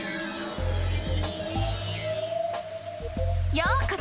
ようこそ！